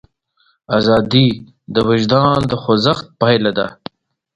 ازادي د وجدان د خوځښت پایله ده.